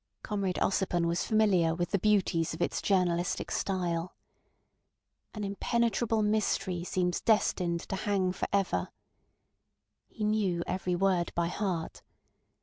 Comrade Ossipon was familiar with the beauties of its journalistic style. "An impenetrable mystery seems destined to hang for ever. ..." He knew every word by heart.